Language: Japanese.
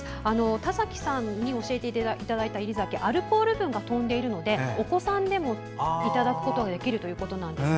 田崎さんに教えていただいた煎り酒アルコール分がとんでいるのでお子さんでもいただくことができるということです。